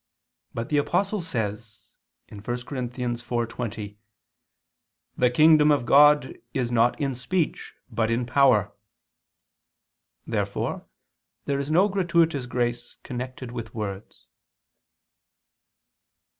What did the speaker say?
But the Apostle says (1 Cor. 4:20): "The kingdom of God is not in speech, but in power." Therefore there is no gratuitous grace connected with words.